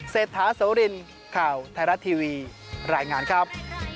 เศรษฐาโสรินข่าวไทยรัฐทีวีรายงานครับ